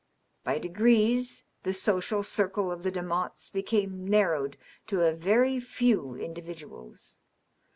By degrees the social circle of the Demottes became narrowed to a very few individuals.